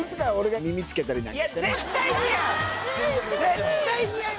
絶対似合う！